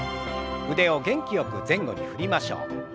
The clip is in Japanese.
腕を元気よく前後に振りましょう。